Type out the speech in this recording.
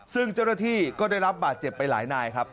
ซึ่งเจ้าหน้าที่ก็ได้รับบาดเจ็บไปหลายนายครับ